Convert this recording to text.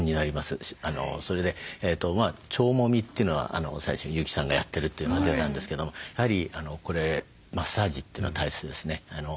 それで「腸もみ」というのは最初に優木さんがやってるというのが出たんですけどもやはりこれマッサージというのは大切ですね。